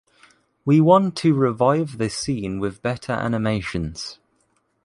We want to revive the scene with better animations.